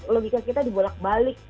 logika kita dibolak bolak